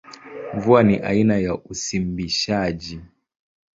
Mvua ni aina ya usimbishaji.